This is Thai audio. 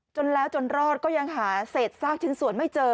จนแล้วจนรอดก็ยังหาเศษซากชิ้นส่วนไม่เจอ